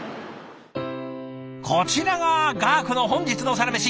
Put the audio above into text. こちらが画伯の本日のサラメシ。